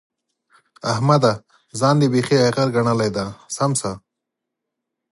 احمده! ځان دې بېخي ايغر ګڼلی دی؛ سم شه.